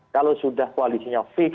kalau sudah koalisinya fix